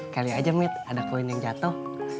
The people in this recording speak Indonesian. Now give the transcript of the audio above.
kali aja mit ada koin yang jatuh